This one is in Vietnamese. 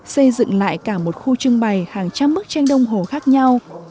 xây dựng lại cả một khu trưng bày hàng trăm bức tranh đông hồ khác nhau